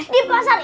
di pasar ini